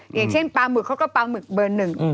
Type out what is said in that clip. อย่างเช่นปลาหมึกเขาก็ปลาหมึกเบอร์หนึ่ง